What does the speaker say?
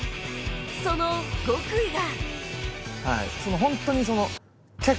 その極意が